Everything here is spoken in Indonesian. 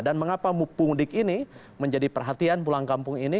dan mengapa mudik ini menjadi perhatian pulang kampung ini